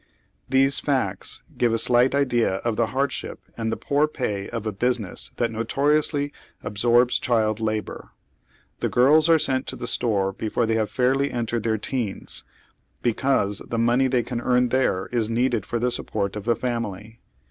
These facts give a slight idea of the hardships and the poor pay of a business that notoriously absorbs child labor. The girls are sent to the store before they have fairly en tered their teens, because the money they can earn there is needed for the support of the family.